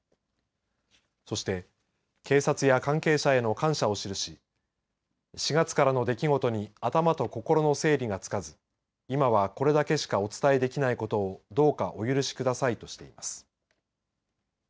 そして警察や関係者への感謝を記し４月からの出来事に頭と心の整理がつかず今はこれだけしかお伝えできないことをどうかお許しくださいとしています。